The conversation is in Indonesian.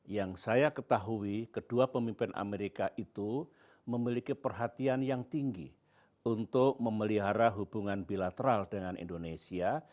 yang saya ketahui kedua pemimpin amerika itu memiliki perhatian yang tinggi untuk memelihara hubungan bilateral dengan indonesia